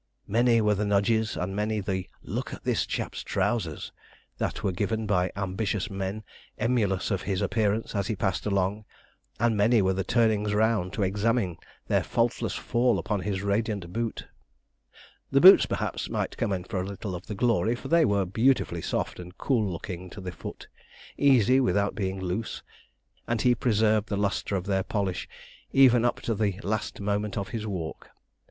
Many were the nudges, and many the 'look at this chap's trousers,' that were given by ambitious men emulous of his appearance as he passed along, and many were the turnings round to examine their faultless fall upon his radiant boot. The boots, perhaps, might come in for a little of the glory, for they were beautifully soft and cool looking to the foot, easy without being loose, and he preserved the lustre of their polish, even up to the last moment of his walk.